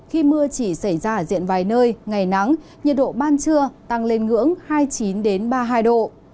khi mưa chỉ xảy ra ở diện vài nơi ngày nắng nhiệt độ ban trưa tăng lên ngưỡng hai mươi chín ba mươi hai độ